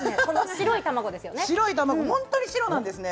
白い卵、本当に白なんですね。